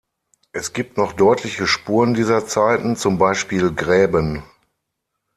Es gibt noch deutliche Spuren dieser Zeiten, zum Beispiel Gräben.